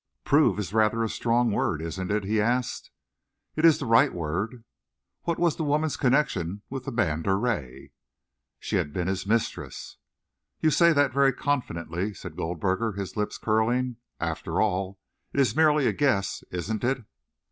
"'Prove' is rather a strong word, isn't it?" he asked. "It is the right word." "What was the woman's connection with the man Drouet?" "She had been his mistress." "You say that very confidently," said Goldberger, his lips curling. "After all, it is merely a guess, isn't it?"